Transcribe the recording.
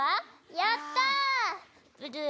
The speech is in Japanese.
やったー。